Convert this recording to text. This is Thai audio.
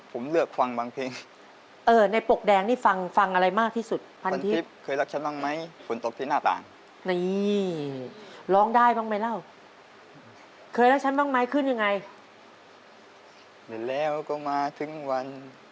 หรือบอกร้องไม่เป็นกันเดี๋ยวค่อย